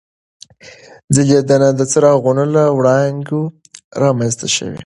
ځلېدنه د څراغونو له وړانګو رامنځته شوې.